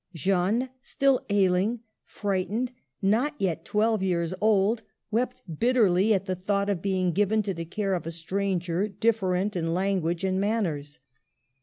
Jeanne, still ailing, frightened, not yet twelve years old, wept bitterly at the thought of being given to the care of a stranger, different in lan •guage and manners.